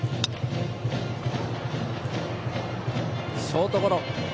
ショートゴロ。